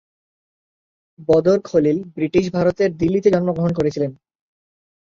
বদর Khalil British ভারতের দিল্লিতে জন্মগ্রহণ করেছিলেন।